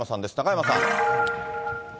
中山さん。